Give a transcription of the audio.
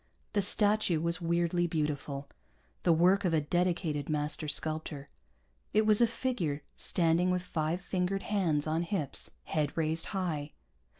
The statue was weirdly beautiful, the work of a dedicated master sculptor. It was a figure, standing with five fingered hands on hips, head raised high.